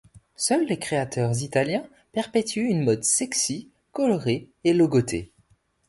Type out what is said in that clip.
Seuls les créateurs italiens perpétuent une mode sexy, colorée et logotée.